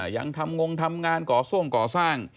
ยังทำงงทำงานก่อทรงก่อสร้าง